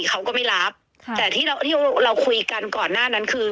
เขาก็ไม่รับแต่ที่เราที่เราคุยกันก่อนหน้านั้นคือ